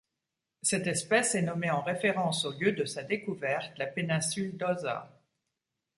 Cette espèce est nommée en référence au lieu de sa découverte, la péninsule d'Osa.